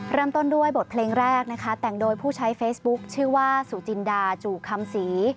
เริ่มต้นด้วยบทเพลงแรกนะคะแต่งโดยผู้ใช้เฟซบุ๊คชื่อว่าสุจินดาจู่คำศรี